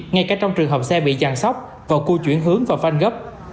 ngay cả trong trường hợp xe bị giàn sóc và cua chuyển hướng vào vanh gấp